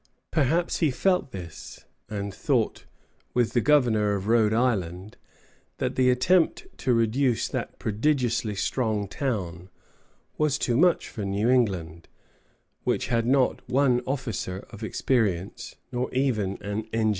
Perhaps he felt this, and thought, with the Governor of Rhode Island, that "the attempt to reduce that prodigiously strong town was too much for New England, which had not one officer of experience, nor even an engineer."